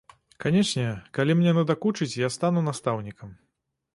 Канечне, калі мне надакучыць, я стану настаўнікам.